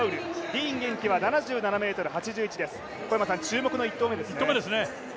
ディーン元気は７７ｍ８１、注目の１投目ですね。